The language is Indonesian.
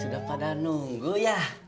udah pada nunggu ya